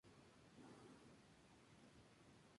En Brasil causó pánico en Manaus y en el estado de Acre.